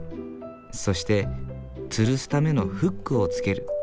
そしてつるすためのフックを付ける。